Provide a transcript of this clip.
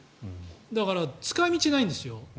だから、使い道がないんですよ。